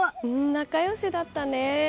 仲良しだったね。